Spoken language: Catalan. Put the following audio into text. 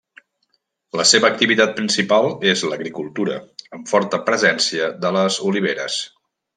La seva activitat principal és l'agricultura amb forta presència de les oliveres.